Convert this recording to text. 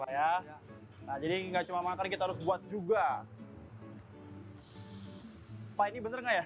ya kira kira empat menit sampai